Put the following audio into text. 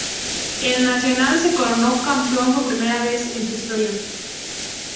El Nacional se coronó campeón por primera vez en su historia.